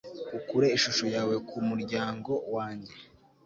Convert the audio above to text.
ukure ishusho yawe ku muryango wanjye